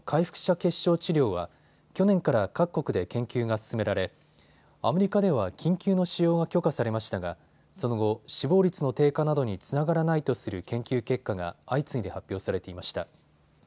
血しょう治療は去年から各国で研究が進められアメリカでは緊急の使用が許可されましたがその後、死亡率の低下などにつながらないとする研究結果が相次いで発表されていました。